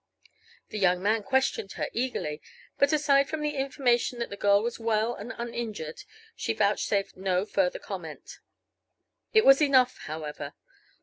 The young man questioned her eagerly, but aside from the information that the girl was well and uninjured she vouchsafed no further comment. It was enough, however.